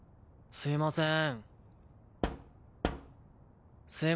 すいません